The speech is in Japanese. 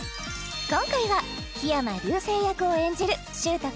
今回は桧山竜星役を演じる愁斗